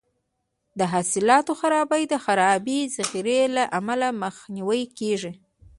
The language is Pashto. د حاصلاتو خرابي د خرابې ذخیرې له امله مخنیوی کیږي.